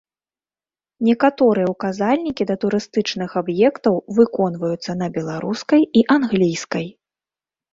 Некаторыя указальнікі да турыстычных аб'ектаў выконваюцца на беларускай і англійскай.